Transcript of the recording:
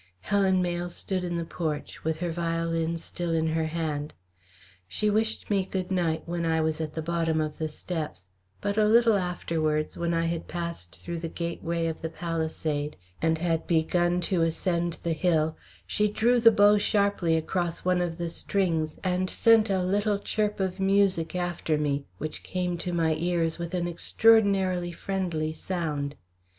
Helen Mayle stood in the porch, with her violin still in her hand. She wished me "Good night" when I was at the bottom of the steps, but a little afterwards, when I had passed through the gateway of the palisade and had begun to ascend the hill, she drew the bow sharply across one of the strings and sent a little chirp of music after me, which came to my ears, with an extraordinarily friendly sound.